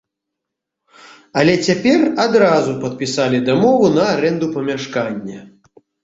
Але цяпер адразу падпісалі дамову на арэнду памяшкання.